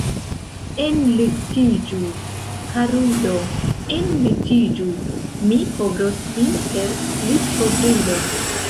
Enlitiĝu, karulo, enlitiĝu, mi kovros vin per litkovrilo.